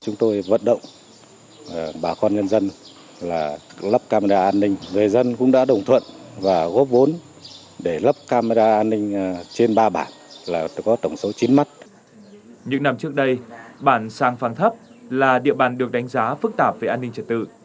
những năm trước đây bản sang phan thấp là địa bàn được đánh giá phức tạp về an ninh trật tự